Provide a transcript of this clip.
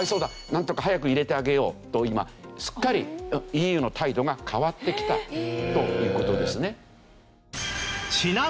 なんとか早く入れてあげようと今すっかりＥＵの態度が変わってきたという事ですね。